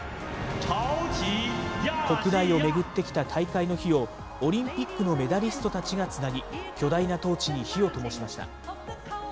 国内を巡ってきた大会の火を、オリンピックのメダリストたちがつなぎ、巨大なトーチに火をともしました。